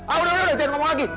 ah udah udah jangan ngomong lagi